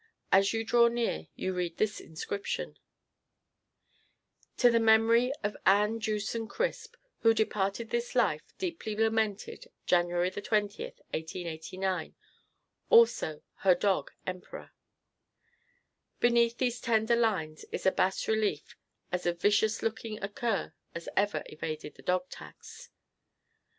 As you draw near, you read this inscription: To the memory of ANN JEWSON CRISP Who departed this life Deeply lamented, Jan. 20, 1889. Also, Her dog, Emperor. Beneath these tender lines is a bas relief of as vicious looking a cur as ever evaded the dog tax.